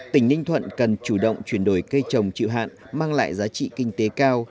tỉnh ninh thuận cần chủ động chuyển đổi cây trồng chịu hạn mang lại giá trị kinh tế cao